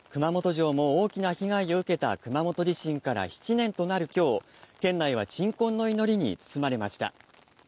熊本城も大きな被害を受けた熊本地震から７年となる今日、県内は鎮魂の祈りに包まれました。